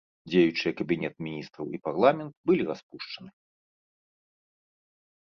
Дзеючыя кабінет міністраў і парламент былі распушчаны.